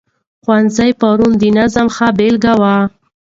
ښوونځي پرون د نظم ښه بېلګه وه.